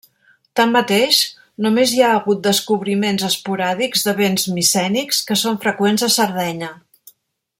Tanmateix, només hi ha hagut descobriments esporàdics de béns micènics, que són freqüents a Sardenya.